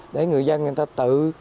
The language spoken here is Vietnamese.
để người dân người ta tự